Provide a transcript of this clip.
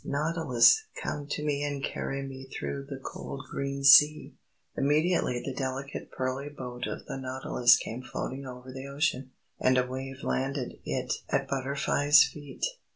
Nautilus! Come to me And carry me through The cold green Sea!_" Immediately the delicate pearly boat of the nautilus came floating over the Ocean, and a wave landed it at Butterfly's feet.